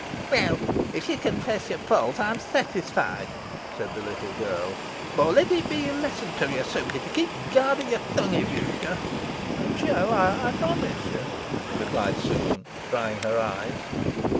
"Weel, if ye confess your fault, ey'm satisfied," replied the little girl; "boh let it be a lesson to ye, Suky, to keep guard o' your tongue i' future." "It shall, ey promise ye," replied Susan, drying her eyes.